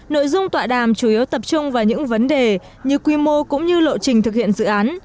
nội dung tọa đàm chủ yếu tập trung vào những vấn đề như quy mô cũng như lộ trình thực hiện dự án